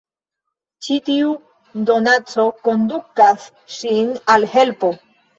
Ĉi tiu donaco kondukas ŝin al helpo...